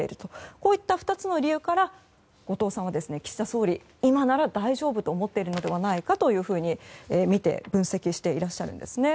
この２つの理由から後藤さんは岸田総理今なら大丈夫と思っているのではないかと分析していらっしゃるんです。